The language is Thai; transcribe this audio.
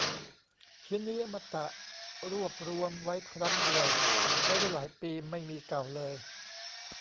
ชิ้นนี้อมตะ รวบรวมไว้ครั้งเดียว ใช้ได้หลายปี ไม่มีเก่าเลย